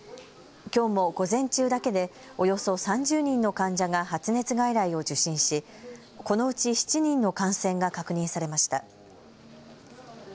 きょうも午前中だけでおよそ３０人の患者が発熱外来を受診し、このうち７人の感染が確認されました。